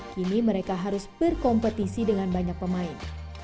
kini mereka harus berkompetisi dengan banyak pemain